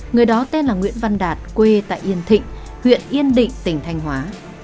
người đó tên là nguyễn văn đạt quê tại yên thịnh huyện yên định tỉnh thanh hóa